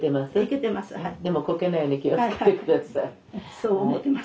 そう思ってます。